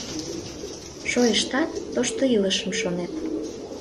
Шойыштат, тошто илышым шонет.